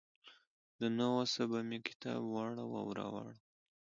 له نه وسه به مې کتاب واړاوه او راواړاوه.